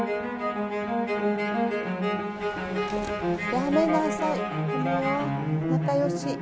やめなさい。